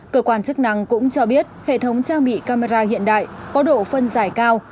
cơ quan chức năng cũng cho biết hệ thống trang bị camera hiện đại có độ phân giải cao